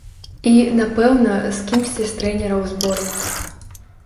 І, напэўна, з кімсьці з трэнераў зборнай.